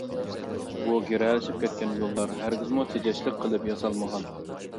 بۇ گىرەلىشىپ كەتكەن يوللار ھەرگىزمۇ تېجەشلىك قىلىپ ياسالمىغان.